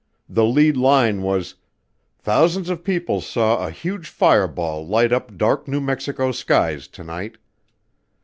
The lead line was: "Thousands of people saw a huge fireball light up dark New Mexico skies tonight."